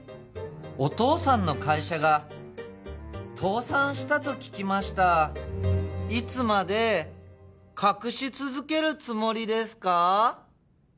お父さんの会社が倒産したと聞きましたいつまで隠し続けるつもりですか？